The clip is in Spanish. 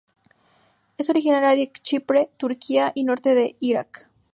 Es originaria de Chipre, Turquía y norte de Iraq.